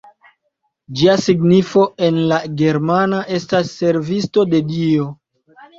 Ĝia signifo en la germana estas «servisto de Dio».